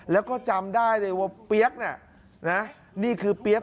แล้วก็จำได้เลยว่าเป๊๊๊ย๊กนี่คือเป๊๊๊ย๊ก